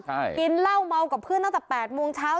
ใช่กินเหล้าเมากับเพื่อนตั้งแต่๘โมงเช้า